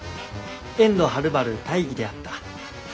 遠路はるばる大儀であった。